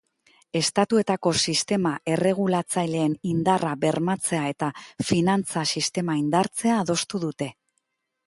Estatuetako sistema erregulatzaileen indarra bermatzea eta finantza sistema indartzea adostu dute.